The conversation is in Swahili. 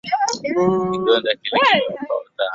Kidonda kile kimempa taabu.